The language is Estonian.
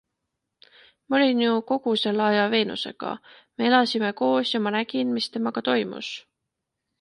Ma olin ju kogu selle aja Venusega, me elasime koos ja ma nägin, mis temaga toimus.